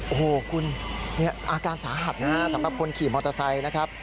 โอ้โหคุณอาการสาหัสนะฮะสำหรับคนขี่มอเตอร์ไซค์นะครับ